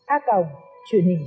a cộng truyền hình công an